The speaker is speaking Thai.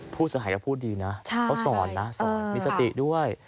พูดสะหายก็พูดดีนะเพราะสอนนะมีสติด้วย